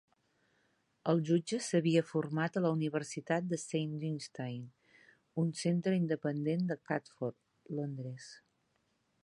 El jutge s'havia format a la Universitat de Saint Dunstan, un centre independent de Catford, Londres.